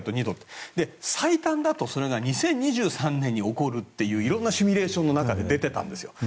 最短だとそれが２０２３年に起こるという色んなシミュレーションの中で出ていたんですよ。